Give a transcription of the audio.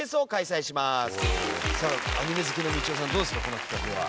この企画は。